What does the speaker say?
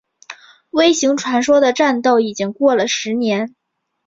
微型传说的战斗已经过了十年。